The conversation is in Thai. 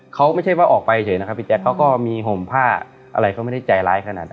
เขาไม่ใช่ว่าออกไปเฉยนะครับพี่แจ๊คเขาก็มีห่มผ้าอะไรเขาไม่ได้ใจร้ายขนาดนั้น